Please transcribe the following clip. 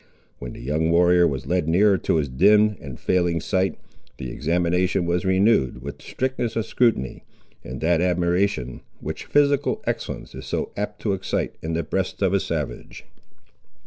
When the young warrior was led nearer to his dimmed and failing sight, the examination was renewed, with strictness of scrutiny, and that admiration, which physical excellence is so apt to excite in the breast of a savage.